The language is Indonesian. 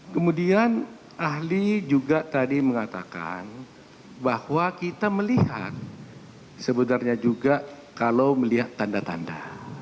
kemudian ahli juga tadi mengatakan bahwa kita melihat sebenarnya juga kalau melihat tanda tanda